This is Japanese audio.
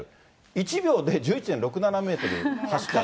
１秒で１１．６７メートル走った。